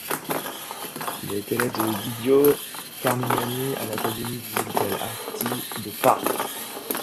Il est élève de Guido Carmignani à l'Accademia di Belle Arti de Parme.